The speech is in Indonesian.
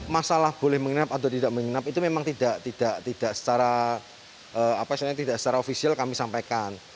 masalah boleh menginap atau tidak menginap itu memang tidak secara tidak secara ofisial kami sampaikan